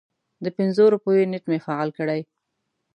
د پنځو روپیو نیټ مې فعال کړی